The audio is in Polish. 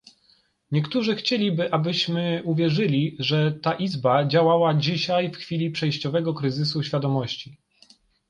Niektórzy chcieliby, abyśmy uwierzyli, że ta Izba działała dzisiaj w chwili przejściowego kryzysu świadomości